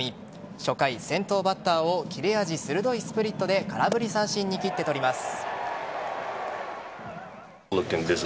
初回、先頭バッターを切れ味鋭いスプリットで空振り三振に切って取ります。